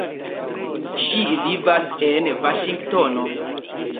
Ŝi vivas en Vaŝingtono.